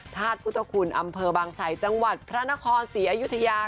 ธาตุพุทธคุณอำเภอบางสัยจังหวัดพระนครศรีอยุธยา